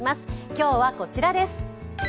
今日はこちらです。